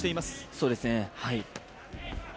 そうですね。